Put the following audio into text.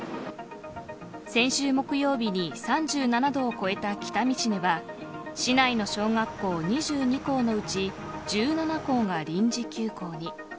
先週木曜日に３７度を超えた北見市では市内の小学校２２校のうち１７校が臨時休校に。